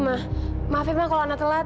maafin ma kalau ana telat